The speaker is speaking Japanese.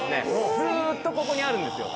ずっとここにあるんですよ。